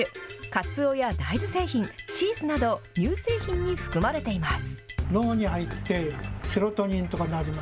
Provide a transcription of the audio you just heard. かつおや大豆製品、チーズなど乳製品に含まれています。